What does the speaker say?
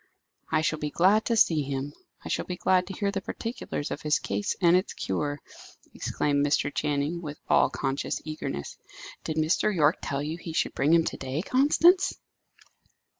"I shall be glad to see him; I shall be glad to hear the particulars of his case and its cure," exclaimed Mr. Channing, with all conscious eagerness. "Did Mr. Yorke tell you he should bring him to day, Constance?"